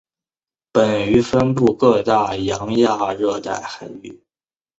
本鱼分布各大洋亚热带海域。